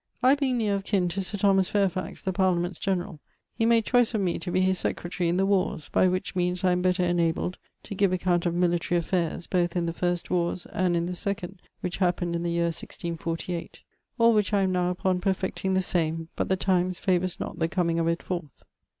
I being neere of kin to Sir Thomas Fairfax, the parlament's generall, he made choice of me to be his secretary in the wars, by which means I am beter inabled to give account of military affairs, both in the first wars and in the second which hapened in the year 1648 all which I am now upon perfeting the same, but the times favors not the comeing of it forth.